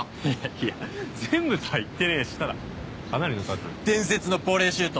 いや全部とは言ってねえしただかなりの数伝説のボレーシュート